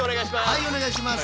はいお願いします。